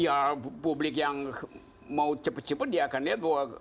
ya publik yang mau cepat cepat dia akan lihat bahwa